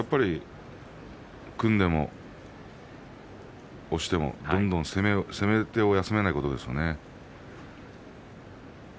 組んでも押してもどんどん攻め手を休めないことですね。